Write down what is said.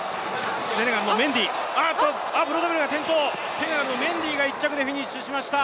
セネガルのメンディーが１着でフィニッシュしました。